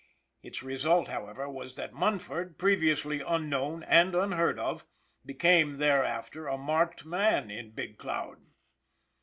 Its result, however, was that Munford, previously unknown and unheard of, became thereafter, a marked man in Big Cloud.